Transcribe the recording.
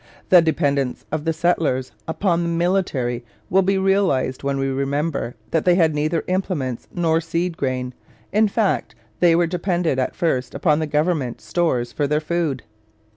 The dependence of the settlers upon the military will be realized when we remember that they had neither implements nor seed grain. In fact, they were dependent at first upon the government stores for their food.